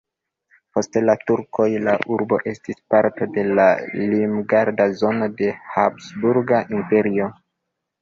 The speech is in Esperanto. Post la turkoj la urbo estis parto de limgarda zono de Habsburga Imperio.